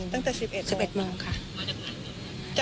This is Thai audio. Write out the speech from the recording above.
ตั้งแต่๑๑โมงค่ะ